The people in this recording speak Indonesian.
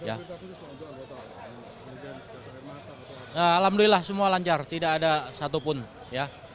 alhamdulillah semua lancar tidak ada satu pun ya